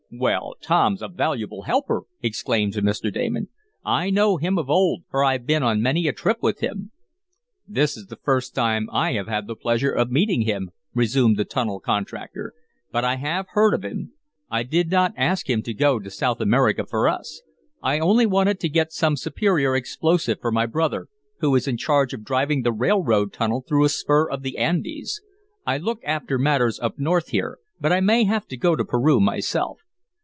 "Well, Tom's a valuable helper!" exclaimed Mr. Damon. "I know him of old, for I've been on many a trip with him." "This is the first time I have had the pleasure of meeting him," resumed the tunnel contractor, "but I have heard of him. I did not ask him to go to South America for us. I only wanted to get some superior explosive for my brother, who is in charge of driving the railroad tunnel through a spur of the Andes. I look after matters up North here, but I may have to go to Peru myself.